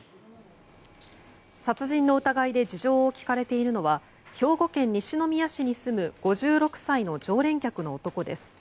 殺人の疑いで事情を聴かれているのは兵庫県西宮市に住む５６歳の常連客の男です。